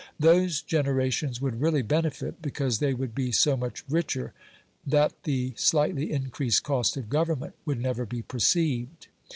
Those generations would really benefit, because they would be so much richer that the slightly increased cost of government would never be perceived.